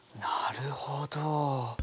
なるほど。